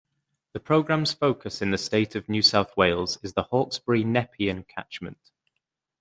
The program's focus in the state of New South Wales is the Hawkesbury-Nepean catchment.